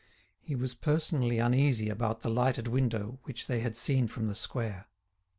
He was personally uneasy about the lighted window which they had seen from the square.